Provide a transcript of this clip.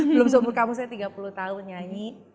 belum seumur kamu saya tiga puluh tahun nyanyi